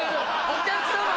お客さま！